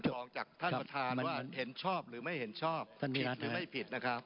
ออกจากท่านประธานว่าเห็นชอบหรือไม่เห็นชอบท่านผิดหรือไม่ผิดนะครับ